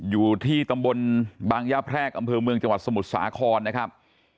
อยู่ที่ตำบลบางย่าแพรกอำเภอเมืองจังหวัดสมุทรสาครนะครับ